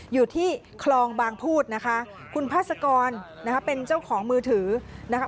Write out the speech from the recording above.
อยู่ที่คลองบางพูดนะคะคุณพาสกรนะคะเป็นเจ้าของมือถือนะคะ